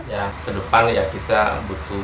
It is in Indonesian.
ya ke depan ya kita butuh